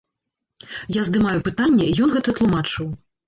Я здымаю пытанне, ён гэта тлумачыў.